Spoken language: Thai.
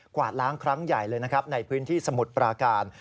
วาดล้างครั้งใหญ่เลยนะครับในพื้นที่สมุทรปราการ